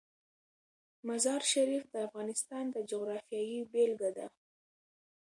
مزارشریف د افغانستان د جغرافیې بېلګه ده.